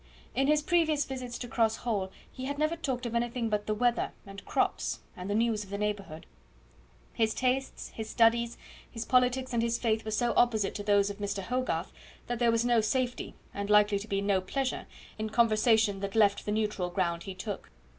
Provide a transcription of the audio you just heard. In his previous visits to Cross Hall he had never talked of anything but the weather, and crops, and the news of the neighbourhood. His tastes, his studies, his politics, and his faith were so opposite to those of Mr. Hogarth that there was no safety, and likely to be no pleasure, in conversation that left the neutral ground he took.